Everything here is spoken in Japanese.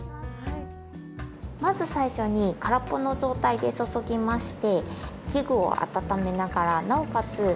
まず最初に空っぽの状態で注ぎまして器具を温めながらなおかつ